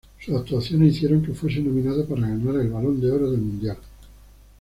Sus actuaciones hicieron que fuese nominado para ganar el Balón de Oro del Mundial.